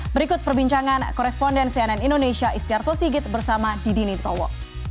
berikut perbincangan koresponden cnn indonesia istiarto sigit bersama didi nintowo